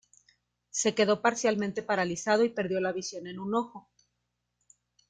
Se quedó parcialmente paralizado y perdió la visión en un ojo.